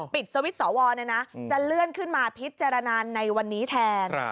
ปิดสวิทซ์สลวเลยนะจะเลื่อนขึ้นมาพิจารณานในวันนี้แทน